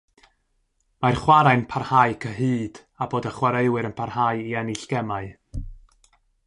Mae'r chwarae'n parhau cyhyd â bod y chwaraewr yn parhau i ennill gemau.